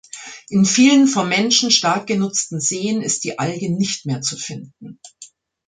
In vielen vom Menschen stark genutzten Seen ist die Alge nicht mehr zu finden.